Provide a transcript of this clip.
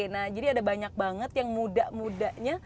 nah jadi ada banyak banget yang muda mudanya